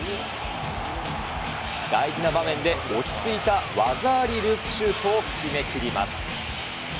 大事な場面で落ち着いた技ありループシュートを決めきります。